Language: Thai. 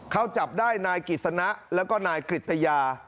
เขาจับได้นายกฤษณะแล้วก็นายกริตยา